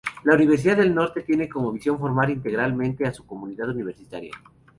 La Universidad del Norte tiene como visión formar integralmente a su comunidad universitaria.